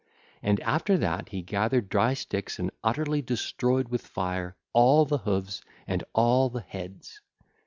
And after that he gathered dry sticks and utterly destroyed with fire all the hoofs and all the heads.